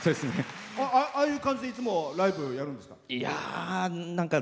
ああいう感じでいつもライブやるんですか？